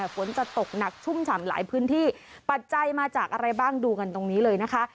ฝนจะตกหนักชุ่มฉ่ำหลายพื้นที่ปัจจัยมาจากอะไรบ้างดูกันตรงนี้เลยนะคะ